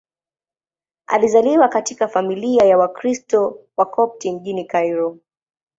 Alizaliwa katika familia ya Wakristo Wakopti mjini Kairo.